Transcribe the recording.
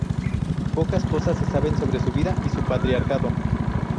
Pocas cosas se saben sobre su vida y su patriarcado.